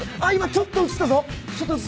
ちょっと写ったぞ。